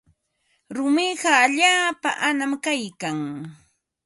Rumiqa allaapa anam kaykan.